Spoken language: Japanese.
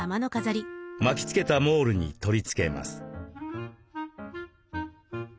巻きつけたモールに取り付けます。